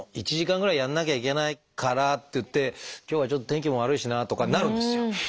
１時間ぐらいやんなきゃいけないからっていって今日はちょっと天気も悪いしなとかになるんですよ。